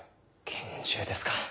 拳銃ですか。